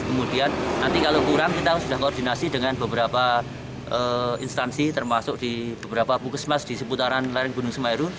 kemudian nanti kalau kurang kita sudah koordinasi dengan beberapa instansi termasuk di beberapa pukesmas di seputaran lereng gunung semeru